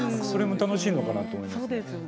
それも楽しいのかなと思いますね。